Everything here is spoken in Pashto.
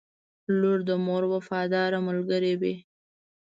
• لور د مور وفاداره ملګرې وي.